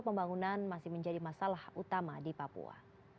pembangunan masih menjadi masalah utama di papua